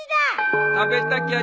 食べたきゃ